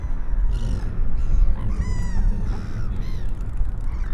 Oh là là ! La parole est à Madame Nathalie Appéré.